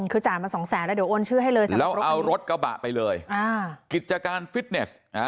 คือจ่ายมาสองแสนแล้วเดี๋ยวโอนชื่อให้เลยแล้วเอารถกระบะไปเลยกิจการฟิตเนส